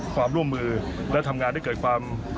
ความร่วมมือและทำงานให้เกิดความ